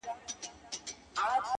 o څه عجيبه جوارگر دي اموخته کړم؛